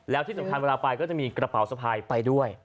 แล้วที่สำคัญเวลาไปก็จะมีกระเป๋าสะพายไปด้วย